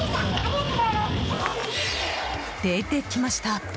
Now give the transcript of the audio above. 出てきました。